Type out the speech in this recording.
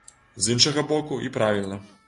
З іншага боку, і правільна.